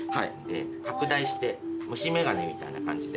拡大して虫眼鏡みたいな感じで。